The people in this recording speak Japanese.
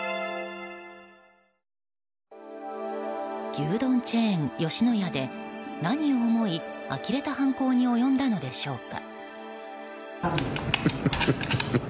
牛丼チェーン吉野家で何を思い呆れた犯行に及んだのでしょうか。